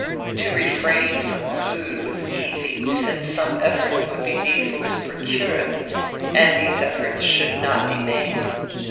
To refrain from food was easy, since some efforts would be needful to procure it, and these efforts should not be made.